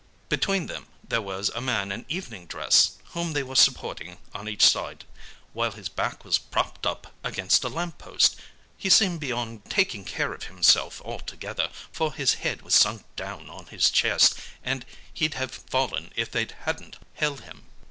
Between them there was a man in evening dress, whom they were supporting on each side, while his back was propped up against a lamp post. He seemed beyond taking care of himself altogether, for his head was sunk down on his chest, and he'd have fallen if they hadn't held him.